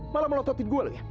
malah melototin gue loya